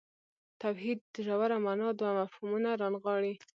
توحید ژوره معنا دوه مفهومونه رانغاړي.